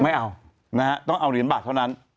ไม่เอานะฮะต้องเอาเหรียญบาทเท่านั้น